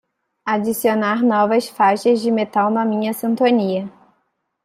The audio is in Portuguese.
adicionar novas faixas de metal na minha sintonia